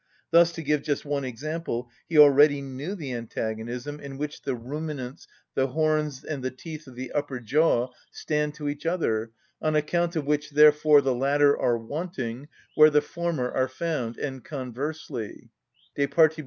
Thus, to give just one example, he already knew the antagonism in which in the ruminants the horns and the teeth of the upper jaw stand to each other, on account of which, therefore, the latter are wanting where the former are found, and conversely (_De partib.